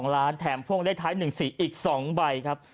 ล้านแถมพ่วงเลขท้าย๑๔อีก๒ใบครับ